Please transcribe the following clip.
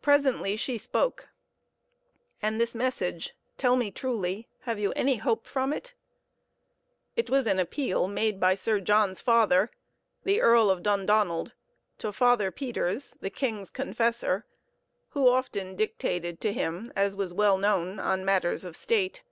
Presently she spoke "And this message tell me truly, have you any hope from it?" It was an appeal made by Sir John's father, the Earl of Dundonald, to Father Peters, the king's confessor, who often dictated to him, as was well known, on matters of state.